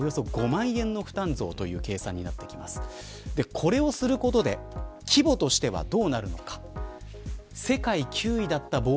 これをすることで規模としてはどうなるのか。